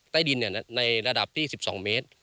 ใต้ดินในระดับที่๑๒เมตร